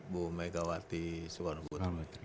bu megawati soekarno butuh